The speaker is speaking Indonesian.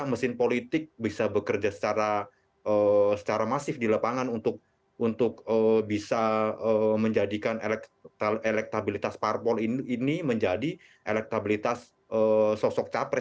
mesin politik bisa bekerja secara masif di lapangan untuk bisa menjadikan elektabilitas parpol ini menjadi elektabilitas sosok capres